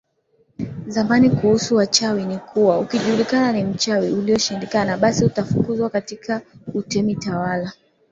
zamani kuhusu wachawi ni kuwa ukijulikana ni mchawi uliyeshindikana basi utafukuzwa katika utemitawala